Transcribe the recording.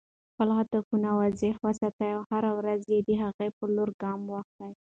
خپل هدفونه واضح وساته او هره ورځ د هغې په لور ګام واخله.